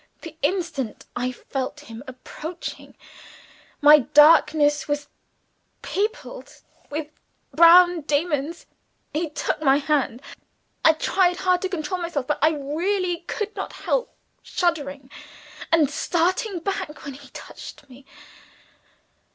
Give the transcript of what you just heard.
The instant I felt him approaching, my darkness was peopled with brown demons. He took my hand. I tried hard to control myself but I really could not help shuddering and starting back when he touched me.